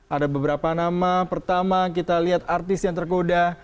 ada beberapa nama pertama kita lihat artis yang tergoda